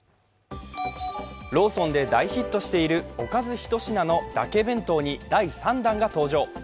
ローソンで大ヒットしているおかずひと品のだけ弁当に第３弾が登場。